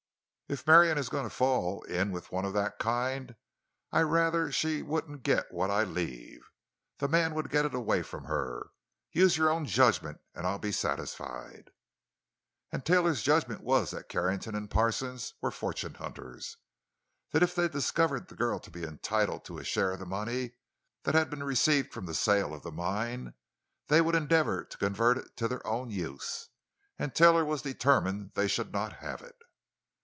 If Marion is going to fall in with one of that kind, I'd rather she wouldn't get what I leave; the man would get it away from her. Use your own judgment and I'll be satisfied. And Taylor's judgment was that Carrington and Parsons were fortune hunters; that if they discovered the girl to be entitled to a share of the money that had been received from the sale of the mine, they would endeavor to convert it to their own use. And Taylor was determined they should not have it.